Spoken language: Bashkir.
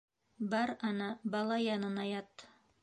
Бар, ана, бала янына ят.